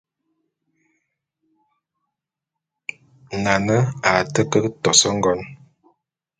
Nane a té ke tos ngon.